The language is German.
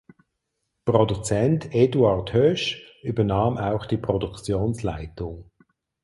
Produzent Eduard Hoesch übernahm auch die Produktionsleitung.